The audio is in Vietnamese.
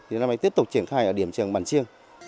thì nó mới tiếp tục triển khai ở điểm trường bản chiêng